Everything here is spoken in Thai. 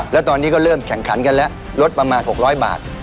แล้วตอนนี้ก็เริ่มแข่งขันกันแล้วลดประมาณ๖๐๐บาท